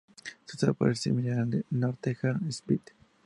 Su sabor es similar al de 'Northern Spy'.